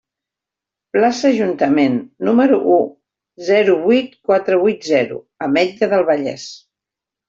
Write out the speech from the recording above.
Plaça Ajuntament, número u, zero vuit quatre vuit zero, Ametlla del Vallès.